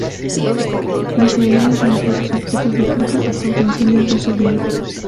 Diseñó desde lujosos objetos de plata hasta utensilios de uso diario.